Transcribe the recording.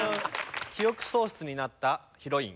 「記憶喪失になったヒロイン」。